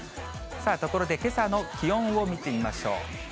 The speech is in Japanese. ところで、けさの気温を見てみましょう。